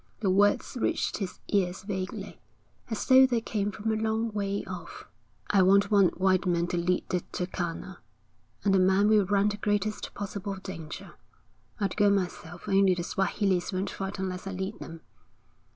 The words reached his ears vaguely, as though they came from a long way off. 'I want one white man to lead the Turkana, and that man will run the greatest possible danger. I'd go myself only the Swahilis won't fight unless I lead them....